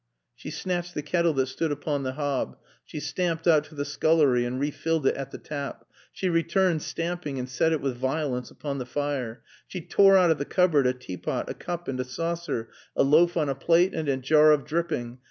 She snatched the kettle that stood upon the hob; she stamped out to the scullery and re filled it at the tap. She returned, stamping, and set it with violence upon the fire. She tore out of the cupboard a teapot, a cup and a saucer, a loaf on a plate and a jar of dripping.